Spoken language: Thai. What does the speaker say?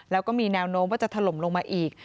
แล้วก็มีแนวโน้มว่าจะถล่มลงมาอีก